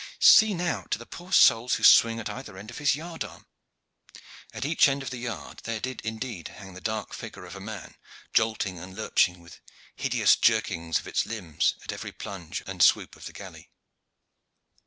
See, now, to the poor souls who swing at either end of his yard arm!" At each end of the yard there did indeed hang the dark figure of a man, jolting and lurching with hideous jerkings of its limbs at every plunge and swoop of the galley.